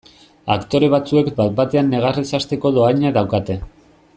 Aktore batzuek bat batean negarrez hasteko dohaina daukate.